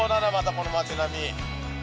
この町並み。